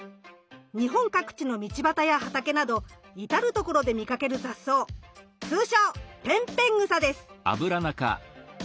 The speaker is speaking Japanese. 日本各地の道ばたや畑など至る所で見かける雑草通称ペンペングサです。